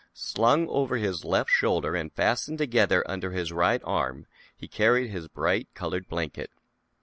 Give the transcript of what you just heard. Slung over his left shoulder, and fastened together under his right arm, he carried his bright colored blanket.